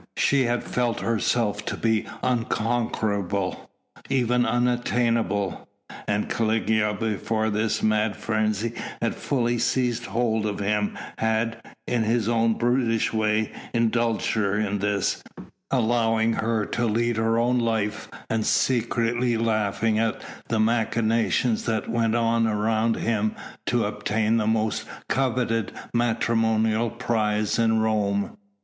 She had felt herself to be unconquerable, even unattainable, and Caligula, before this mad frenzy had fully seized hold of him, had in his own brutish way indulged her in this, allowing her to lead her own life and secretly laughing at the machinations that went on around him to obtain the most coveted matrimonial prize in Rome.